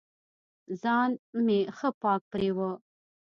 ځان مې ښه پاک پرېوه.